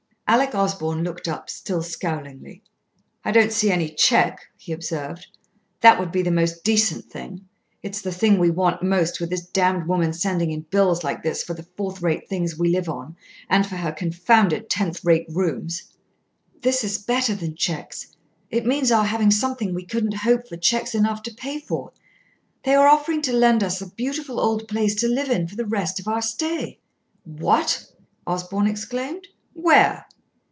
Alec Osborn looked up, still scowlingly. "I don't see any cheque," he observed. "That would be the most decent thing. It's the thing we want most, with this damned woman sending in bills like this for the fourth rate things we live on, and for her confounded tenth rate rooms." "This is better than cheques. It means our having something we couldn't hope for cheques enough to pay for. They are offering to lend us a beautiful old place to live in for the rest of our stay." "What!" Osborn exclaimed. "Where?"